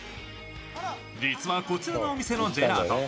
実はこちらのジェラート